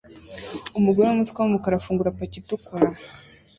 Umugore wumutwe wumukara afungura paki itukura